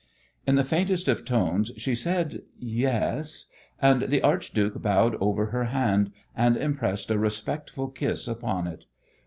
In the faintest of tones she said "Yes," and the archduke bowed over her hand, and impressed a respectful kiss upon it.